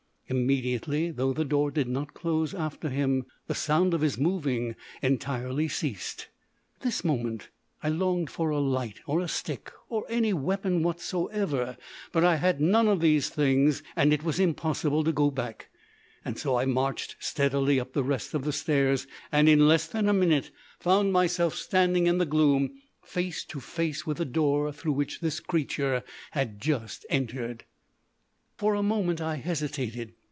Immediately, though the door did not close after him, the sound of his moving entirely ceased. At this moment I longed for a light, or a stick, or any weapon whatsoever; but I had none of these things, and it was impossible to go back. So I marched steadily up the rest of the stairs, and in less than a minute found myself standing in the gloom face to face with the door through which this creature had just entered. For a moment I hesitated.